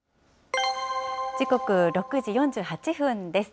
時刻６時４８分です。